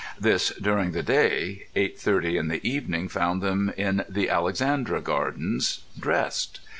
This during the day; eight thirty in the evening found them in the Alexandra Gardens—dressed.